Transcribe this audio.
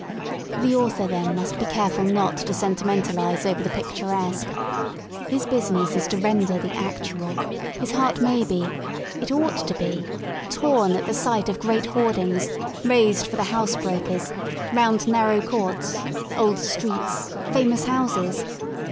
The author then must be careful not to sentimentalise over the picturesque. His business is to render the actual. His heart may be — it ought to be — torn at the sight of great hoardings, raised for the house breakers, round narrow courts, old streets, famous houses.